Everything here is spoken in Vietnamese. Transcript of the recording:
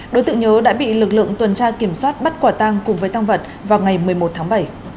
đối tượng nhớ đã bị lực lượng tuần tra kiểm soát bắt quả tăng cùng với tăng vật vào ngày một mươi một tháng bảy